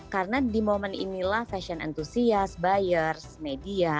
karena di momen inilah fashion enthusiast buyers media